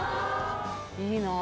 いいなぁ！